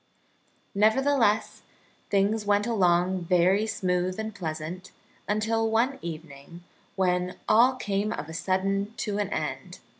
Nevertheless, things went along very smooth and pleasant, until one evening, when all came of a sudden to an end.